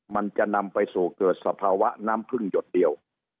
มันจะนำไปสู่เกิดสภาวะน้ำพึ่งหยดเดียว